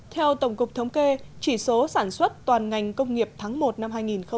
theo tổng cục thống kê chỉ số sản xuất toàn ngành công nghiệp tháng một năm hai nghìn hai mươi